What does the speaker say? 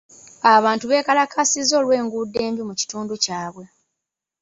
Abantu beekalakaasizza olw'enguudo embi mu kitundu kyabwe.